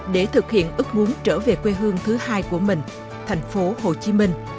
để thực hiện ước muốn trở về quê hương thứ hai của mình thành phố hồ chí minh